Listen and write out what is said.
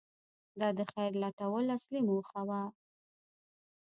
• دا د خیر لټول اصلي موخه وه.